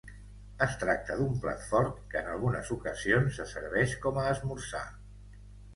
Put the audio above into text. Es tracta d'un plat fort que en algunes ocasions se serveix com a esmorzar.